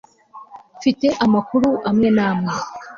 mfite amakuru amwe n'amwe